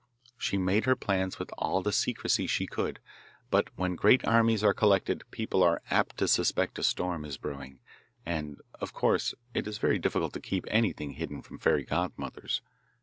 She made her plans with all the secrecy she could, but when great armies are collected people are apt to suspect a storm is brewing, and of course it is very difficult to keep anything hidden from fairy godmothers.